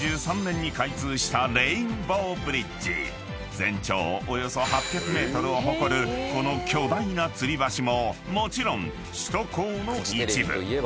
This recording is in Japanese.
［全長およそ８００ｍを誇るこの巨大なつり橋ももちろん首都高の一部］